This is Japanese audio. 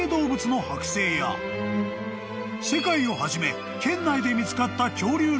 ［世界をはじめ県内で見つかった］